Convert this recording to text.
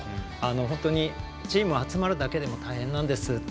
本当にチームが集まるだけでも大変なんですって